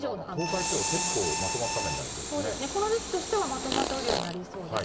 東海地方、結構、そうですね、この時期としてはまとまった雨量になりそうです。